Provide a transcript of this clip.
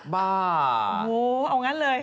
บ้าโอ้โหเอางั้นเลย